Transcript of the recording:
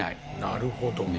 なるほど。